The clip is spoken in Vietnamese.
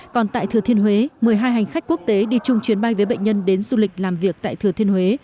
còn tại thừa thiên huế một mươi hai hành khách quốc tế đi chung chuyến bay với bệnh nhân đến du lịch làm việc tại thừa thiên huế